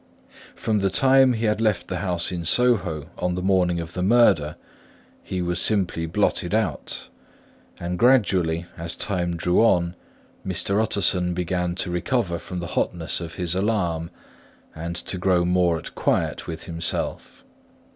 From the time he had left the house in Soho on the morning of the murder, he was simply blotted out; and gradually, as time drew on, Mr. Utterson began to recover from the hotness of his alarm, and to grow more at quiet with himself.